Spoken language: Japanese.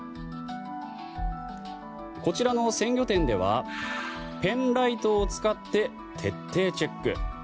こちらの鮮魚店ではペンライトを使って徹底チェック。